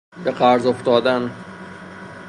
به قرض افتادن